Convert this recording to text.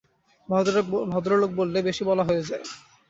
ভদ্রলোক বললে বেশি বলা হয়ে যায়।